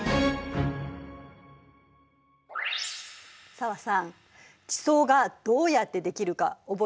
紗和さん地層がどうやってできるか覚えてる？